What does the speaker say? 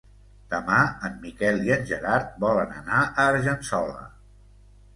Demà en Miquel i en Gerard volen anar a Argençola.